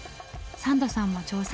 サンドさんも挑戦。